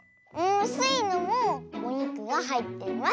スイのもおにくがはいってます！